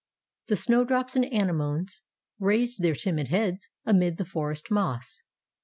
The snowdrops and anemones raised their timid heads amid the forest moss.